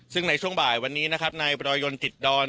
ซึ่งในช่วงบ่ายวันนี้นะครับนายบรอยยนจิตดอน